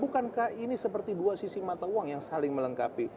bukankah ini seperti dua sisi mata uang yang saling melengkapi